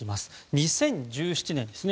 ２０１７年ですね。